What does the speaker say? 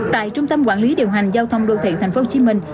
tại trung tâm quản lý điều hành giao thông đô thị tp hcm